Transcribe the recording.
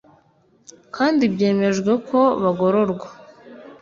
kandi byemejwe ko bagororwa